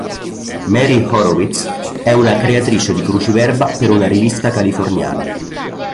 Mary Horowitz è una creatrice di cruciverba per una rivista californiana.